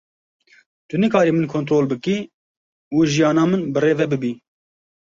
Tu nikarî min kontrol bikî û jiyana min bi rê ve bibî.